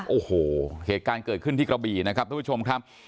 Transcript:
โอ้โหเหตุการณ์เกิดขึ้นที่กระบี่นะครับทุกผู้ชมครับ